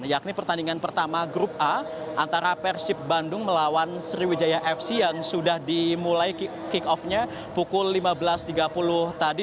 yakni pertandingan pertama grup a antara persib bandung melawan sriwijaya fc yang sudah dimulai kick off nya pukul lima belas tiga puluh tadi